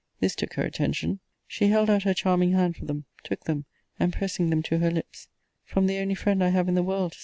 This took her attention. She held out her charming hand for them; took them, and, pressing them to her lips From the only friend I have in the world!